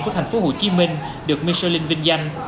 của tp hcm được michelin vinh danh